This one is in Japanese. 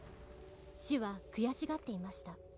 「死は悔しがっていました」